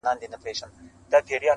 بدكارمو كړی چي وركړي مو هغو ته زړونه~